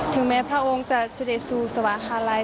ถึงแม้พระองค์จะเสด็จสู่สวรคาลัย